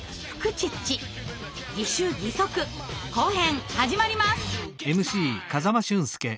「義手義足」後編始まります。